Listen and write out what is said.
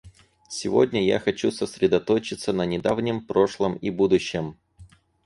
Сегодня я хочу сосредоточиться на недавнем прошлом и будущем.